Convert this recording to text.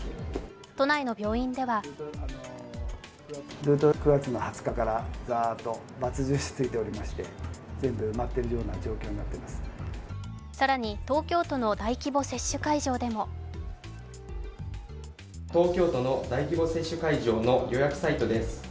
都内の病院では更に東京都の大規模接種会場でも東京都の大規模接種会場の予約サイトです。